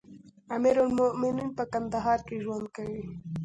امير المؤمنين په کندهار کې ژوند کوي.